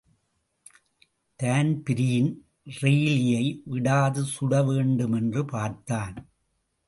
Dan Breen ரெய்லியை விடாது சுடவேண்டுமென்று பார்த்தான்.